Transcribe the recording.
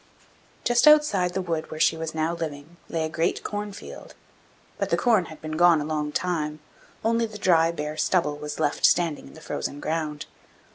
Just outside the wood where she was now living lay a great corn field. But the corn had been gone a long time; only the dry, bare stubble was left standing in the frozen ground.